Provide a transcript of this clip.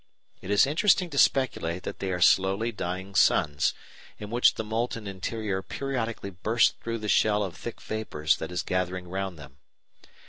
It is interesting to speculate that they are slowly dying suns, in which the molten interior periodically bursts through the shell of thick vapours that is gathering round them.